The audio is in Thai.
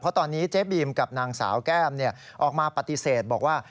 เพราะตอนนี้เจ๊บีมกับนางสาวแก้มออกมาปฏิเสธบอกว่า